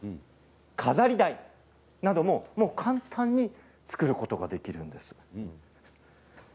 飾り台なども簡単に作ることができるんです。